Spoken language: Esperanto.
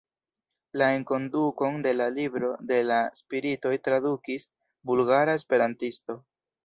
La enkondukon de La Libro de la Spiritoj tradukis bulgara esperantisto.